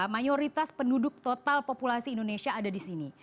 mayoritas penduduk total populasi indonesia ada di sini